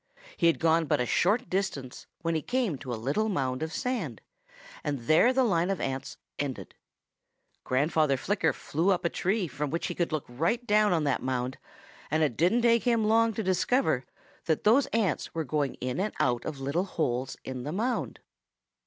He had gone but a short distance when he came to a little mound of sand, and there the line of ants ended. Grandfather Flicker flew up in a tree from which he could look right down on that mound, and it didn't take him long to discover that those ants were going in and out of little holes in that mound.